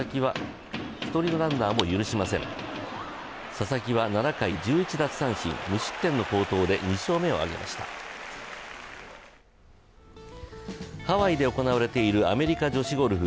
佐々木は７回、１１奪三振、無失点の好投で２勝目を挙げましたハワイで行われているアメリカ女子ゴルフ。